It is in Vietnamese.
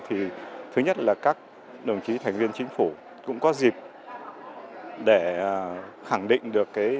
thì thứ nhất là các đồng chí thành viên chính phủ cũng có dịp để khẳng định được cái